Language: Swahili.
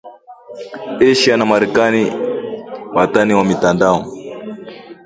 Asia na Marekani, watani wa mitandao,